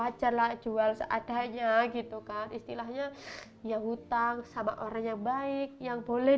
ajalah jual seadanya gitu kan istilahnya yang utang sama orang yang baik yang boleh